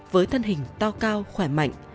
với thân hình to cao khỏe mạnh